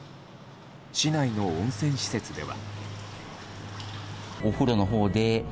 市内の温泉施設では。